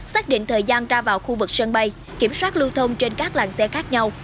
xác định thời gian ra vào khu vực sân bay kiểm soát lưu thông trên các làng xe khác nhau